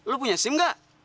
lu punya sim gak